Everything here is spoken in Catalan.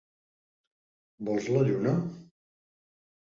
Vols la lluna?